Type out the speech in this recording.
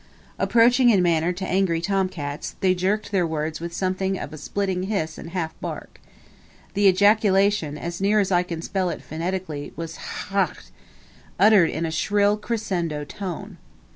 Approaching in manner to angry tom cats, they jerked their words with something of a splitting hiss and a half bark. The ejaculation, as near as I can spell it phonetically, was "hahcht" uttered in a shrill crescendo tone.